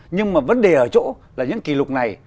nhưng mà vấn đề ở chỗ là những kỷ lục này